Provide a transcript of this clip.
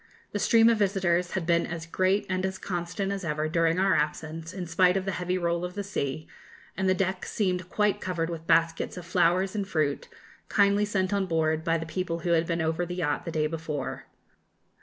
The stream of visitors had been as great and as constant as ever during our absence, in spite of the heavy roll of the sea, and the deck seemed quite covered with baskets of flowers and fruit, kindly sent on board by the people who had been over the yacht the day before.